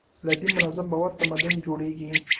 له دې منظم باور تمدن جوړېږي.